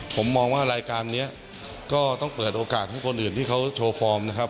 ผมมองว่ารายการนี้ก็ต้องเปิดโอกาสให้คนอื่นที่เขาโชว์ฟอร์มนะครับ